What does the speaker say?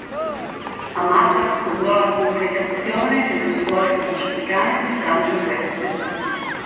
A Madras fondò la congregazone delle suore francescane di San Giuseppe.